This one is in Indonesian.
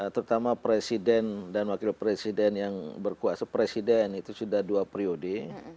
terutama presiden dan wakil presiden yang berkuasa presiden itu sudah dua periode